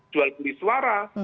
jual beli suara